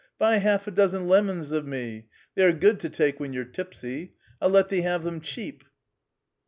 buy half a dozen lemons of me ; they are good to take when you're tipsy ; I'll let thee have them cheap."